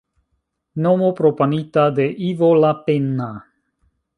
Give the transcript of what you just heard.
Nomo proponita de Ivo Lapenna.